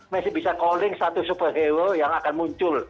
masih bisa calling satu superhero yang akan muncul